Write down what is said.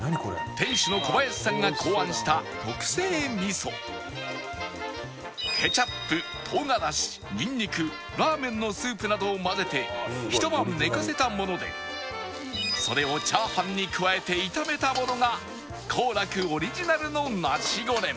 店主の小林さんが考案したケチャップ唐辛子ニンニクラーメンのスープなどを混ぜてひと晩寝かせたものでそれをチャーハンに加えて炒めたものが幸楽オリジナルのナシゴレン